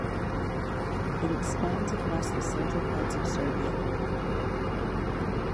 It expands across the central parts of Serbia.